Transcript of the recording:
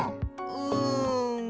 うん。